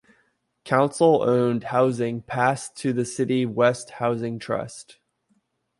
Council-owned housing passed to the City West Housing Trust.